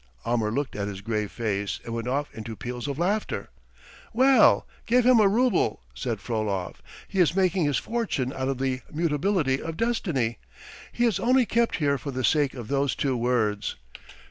Almer looked at his grave face and went off into peals of laughter. "Well, give him a rouble!" said Frolov. "He is making his fortune out of the mutability of destiny. He is only kept here for the sake of those two words.